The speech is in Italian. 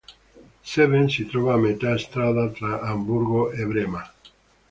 Zeven si trova a metà strada tra Amburgo e Brema.